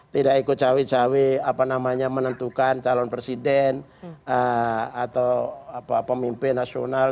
tidak ikut cawe cawe menentukan calon presiden atau pemimpin nasional